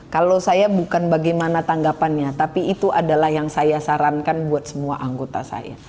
kalau saya bukan bagaimana tanggapannya tapi itu adalah yang saya sarankan buat semua anggota saya